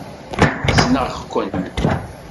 Ssneɣ-ken.